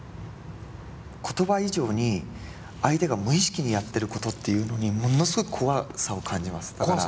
言葉以上に相手が無意識にやってることっていうのにものすごく怖さを感じますから。